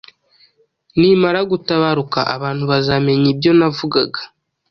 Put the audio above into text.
Nimara gutabaruka abantu bazamenya ibyo navugaga